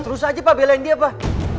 terus aja pak belain dia pak